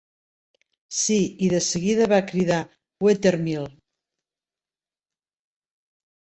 "Sí, i de seguida", va cridar Wethermill.